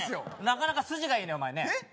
なかなか筋がいいねお前ねえっ？